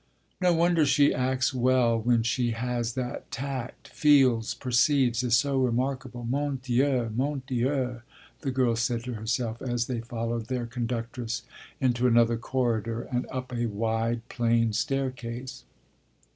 "No wonder she acts well when she has that tact feels, perceives, is so remarkable, mon Dieu, mon Dieu!" the girl said to herself as they followed their conductress into another corridor and up a wide, plain staircase.